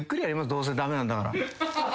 どうせ駄目なんだから。